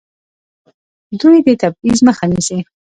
دوی د تبعیض مخه نیسي.